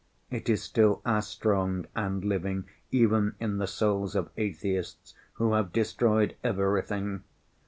It is still as strong and living even in the souls of atheists, who have destroyed everything!